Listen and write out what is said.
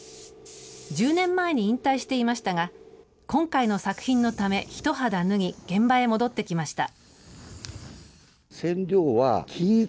１０年前に引退していましたが、今回の作品のため、一肌脱ぎ、現場へ戻ってきました。